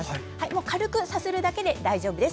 軽くさするだけで大丈夫です。